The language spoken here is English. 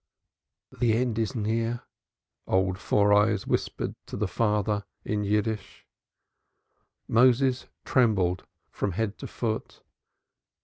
"The end is near," old Four Eyes whispered to the father in jargon. Moses trembled from head to foot.